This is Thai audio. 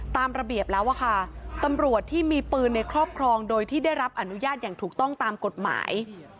ตามระเบียบแล้วอะค่ะตำรวจที่มีปืนในครอบครองโดยที่ได้รับอนุญาตอย่างถูกต้องตามกฎหมาย